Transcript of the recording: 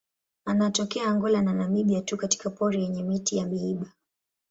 Anatokea Angola na Namibia tu katika pori yenye miti ya miiba.